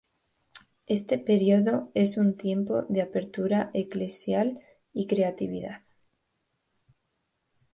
Este período es un tiempo de apertura eclesial y creatividad.